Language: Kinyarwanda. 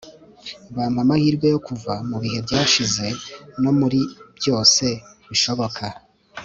bampa amahirwe yo kuva mu bihe byashize no muri byose bishoboka